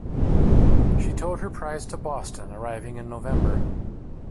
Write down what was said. She towed her prize to Boston, arriving in November.